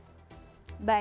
baik kita akan mencoba